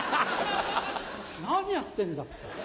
何やってんだ。